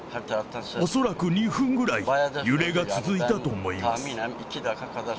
恐らく２分ぐらい揺れが続いたと思います。